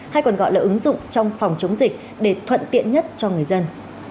hay còn gọi là ứng dụng trong phòng chống dịch để thuận tiện nhất cho người dân